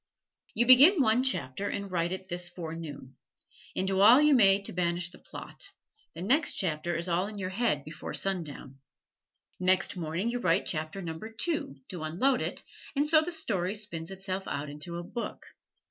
You begin one chapter and write it this forenoon; and do all you may to banish the plot, the next chapter is all in your head before sundown. Next morning you write chapter number two, to unload it, and so the story spins itself out into a book.